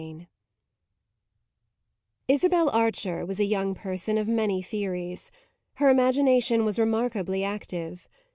CHAPTER VI Isabel Archer was a young person of many theories; her imagination was remarkably active.